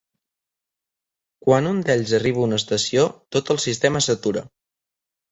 Quan un d'ells arriba a una estació, tot el sistema s'atura.